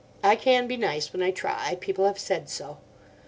I can be nice when I try. People have said so.